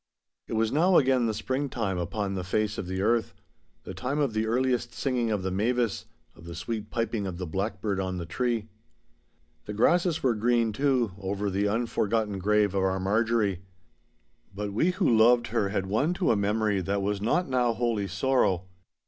It was now again the springtime upon the face of the earth—the time of the earliest singing of the mavis, of the sweet piping of the blackbird on the tree. The grasses were green, too, over the unforgotten grave of our Marjorie. But we who loved her had won to a memory that was not now wholly sorrow.